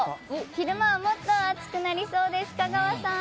昼間はもっと暑くなりそうです、香川さん。